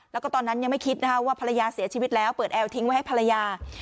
แล้วก็ตอนนั้นยังไม่คิดนะคะว่าภรรยาเสียชีวิตแล้วเปิดแอร์ทิ้งไว้ให้ภรรยา